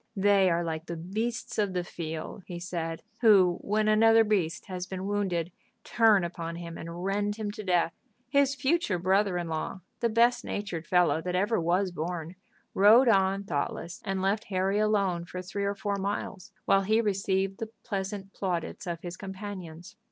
"They are like the beasts of the field," he said, "who when another beast has been wounded, turn upon him and rend him to death." His future brother in law, the best natured fellow that ever was born, rode on thoughtless, and left Harry alone for three or four miles, while he received the pleasant plaudits of his companions.